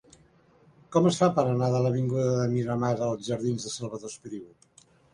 Com es fa per anar de l'avinguda de Miramar als jardins de Salvador Espriu?